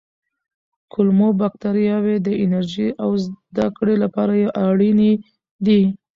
کولمو بکتریاوې د انرژۍ او زده کړې لپاره اړینې دي.